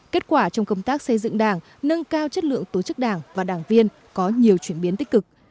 kết quả trong công tác xây dựng đảng nâng cao chất lượng tổ chức đảng và đảng viên có nhiều chuyển biến tích cực